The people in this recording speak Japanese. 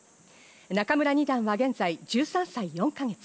仲邑二段は現在１３歳４ヶ月。